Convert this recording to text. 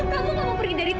kamu gak mau pergi dari tante